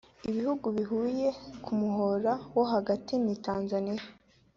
Ibihugu bihuriye ku muhora wo hagati ni Tanzania